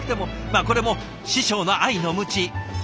まあこれも師匠の愛のムチ。